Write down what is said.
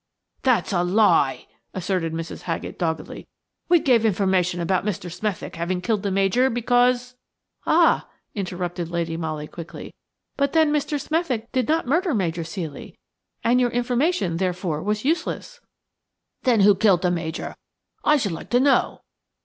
"That's a lie," asserted Mrs. Haggett, doggedly; "we gave information about Mr. Smethick having killed the Major because–" "Ah," interrupted Lady Molly, quickly, "but then Mr. Smethick did not murder Major Ceely, and your information therefore was useless!" "Then who killed the Major, I should like to know?"